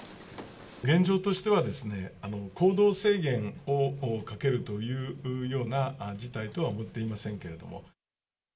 現状としては、行動制限をかけるというような事態とは思っていませんけれども。